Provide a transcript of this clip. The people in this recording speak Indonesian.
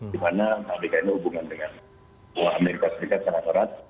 di mana amerika ini hubungan dengan amerika serikat sangat erat